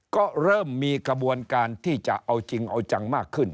ก็เริ่มมีกระบวนการที่จะเอาจริงเอาจังมากขึ้น